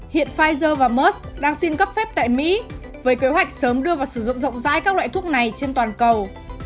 hiện pfizer và mers đang xin cấp phép tại mỹ với kế hoạch sớm đưa vào sử dụng rộng rãi các loại thuốc này trên toàn cầu